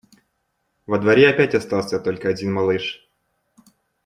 Во дворе опять остался только один малыш.